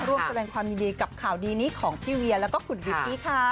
ร่วมแสดงความยินดีกับข่าวดีนี้ของพี่เวียแล้วก็คุณวิกกี้ค่ะ